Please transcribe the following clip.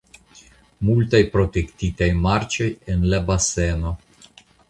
Multaj protektitaj marĉoj en la baseno.